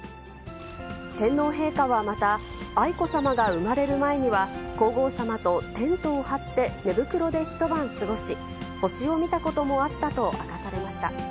天皇陛下はまた、愛子さまが生まれる前には、皇后さまとテントを張って寝袋で一晩過ごし、星を見たこともあったと明かされました。